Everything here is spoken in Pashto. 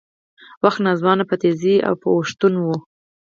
وخت ناځوانه په تېزۍ په اوښتون و